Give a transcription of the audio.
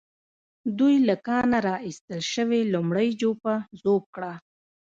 دوی له کانه را ايستل شوې لومړۍ جوپه ذوب کړه.